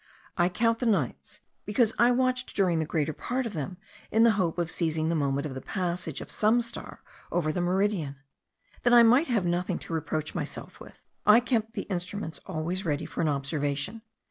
I count the nights, because I watched during the greater part of them, in the hope of seizing the moment of the passage of some star over the meridian. That I might have nothing to reproach myself with, I kept the instruments always ready for an observation.